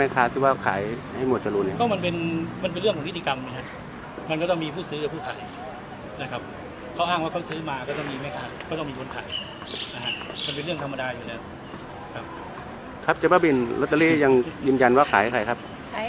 ปัดเด้นที่ว่าไม้ค้าพยาบินยังยืนยันว่าขายให้ใครครับ